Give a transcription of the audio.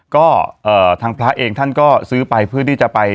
ก็ทางพระเองท่านก็ซื้อไปเพื่อที่จะไป